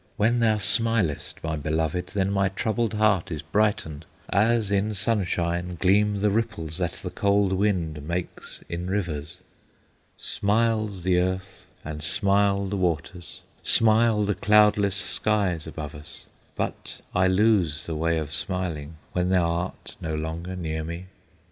"When thou smilest, my beloved, Then my troubled heart is brightened, As in sunshine gleam the ripples That the cold wind makes in rivers. "Smiles the earth, and smile the waters, Smile the cloudless skies above us, But I lose the way of smiling When thou art no longer near me!